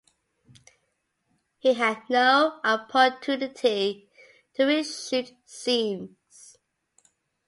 He had no opportunity to reshoot scenes.